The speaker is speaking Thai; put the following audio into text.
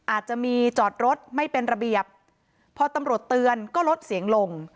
อาจจะมีจอดรถไม่เป็นระเบียบพอตำรวจเตือนก็ลดเสียงลง